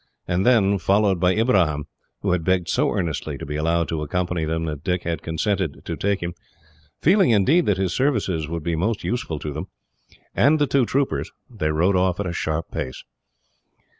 And then, followed by Ibrahim who had begged so earnestly to be allowed to accompany them that Dick had consented to take him, feeling indeed that his services would be most useful to them and the two troopers, they rode off at a sharp pace.